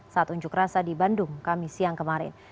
saat unjuk rasa di bandung kami siang kemarin